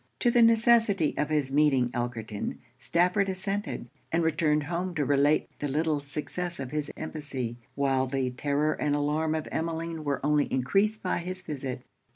To the necessity of his meeting Elkerton, Stafford assented; and returned home to relate the little success of his embassy, while the terror and alarm of Emmeline were only encreased by his visit.